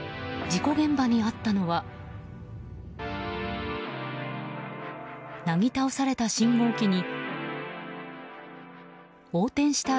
事故現場にあったのはなぎ倒された信号機に横転した